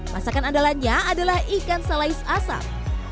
masakan andalannya adalah ikan salais asam